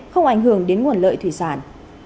không ảnh hưởng đến nguồn lợi thủy sản